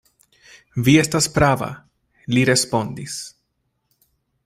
Vi estas prava, li respondis.